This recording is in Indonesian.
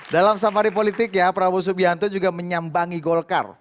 dalam samari politik ya prabowo subianto juga menyambangi golkar